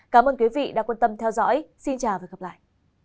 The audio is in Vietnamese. cảm ơn quý vị đã quan tâm theo dõi xin chào và hẹn gặp lại